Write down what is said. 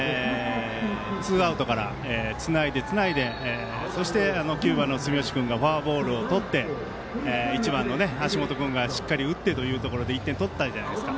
ツーアウトからつないで、つないでそして、９番の住石君がフォアボールをとって１番の橋本君がしっかり打ってという１点を取ったじゃないですか。